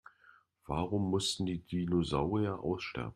Warum mussten die Dinosaurier aussterben?